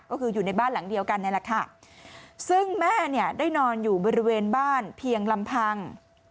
ก็คืออยู่ในบ้านหลังเดียวกันนี่แหละค่ะซึ่งแม่เนี่ยได้นอนอยู่บริเวณบ้านเพียงลำพัง